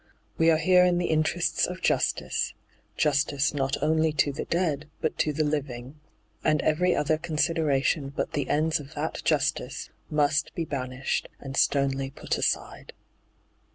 We are here in the interests of justice — justice not only to the dead, but to the living — and every other consideration but the ends of that justice must be banished and sternly put aside.'